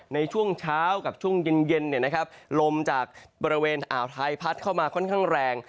ในช่วงเช้ากับช่วงเย็นลมจากบริเวณอ่าวไทยพัดเข้ามาค่อนข้างแรง